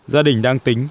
gia đình đang tính